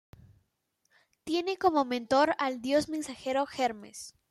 Tiene como mentor al dios mensajero Hermes